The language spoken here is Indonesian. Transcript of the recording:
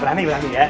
berani berani ya